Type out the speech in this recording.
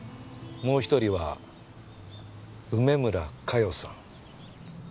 もう一人は梅村加代さん。